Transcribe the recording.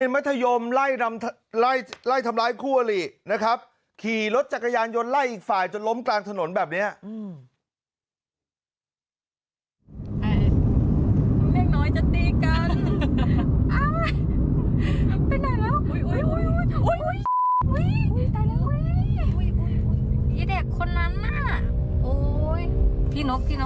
มัธยมไล่นำไล่ทำร้ายคู่อลินะครับขี่รถจักรยานยนต์ไล่อีกฝ่ายจนล้มกลางถนนแบบนี้